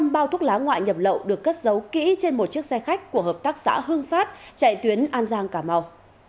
sáu trăm linh bao thuốc lá ngoại nhập lậu được cất dấu kỹ trên một chiếc xe khách của hợp tác xã hương phát chạy tuyến an giang cà mau